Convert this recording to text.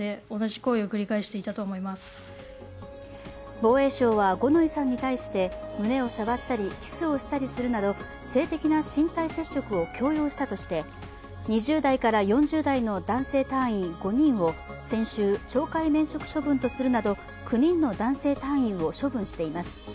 防衛省は五ノ井さんに対して胸を触ったりキスをしたりするなど性的な身体接触を強要したとして２０代から４０代の男性隊員５人を先週、懲戒免職処分とするなど９人の男性隊員を処分しています。